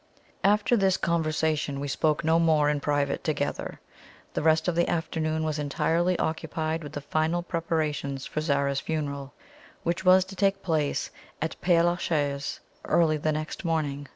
After this conversation we spoke no more in private together. The rest of the afternoon was entirely occupied with the final preparations for Zara's funeral, which was to take place at Pere la Chaise early the next morning.